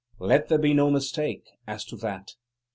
Let there be no mistake as to that.